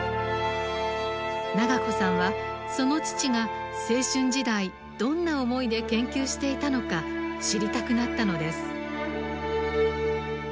永子さんはその父が青春時代どんな思いで研究していたのか知りたくなったのです。